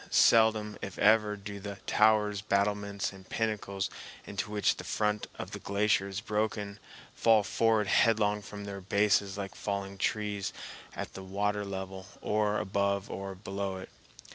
Seldom, if ever, do the towers, battlements, and pinnacles into which the front of the glacier is broken fall forward headlong from their bases like falling trees at the water level or above or below it.